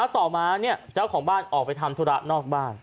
ต่อมาเจ้าของบ้านออกไปทำธุระนอกบ้าน